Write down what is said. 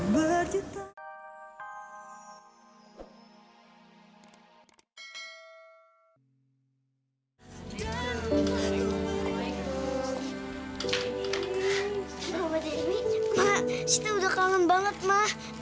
mama sita udah kangen banget ma